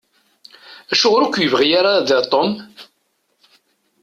Acuɣeṛ ur k-yebɣi ara da Tom?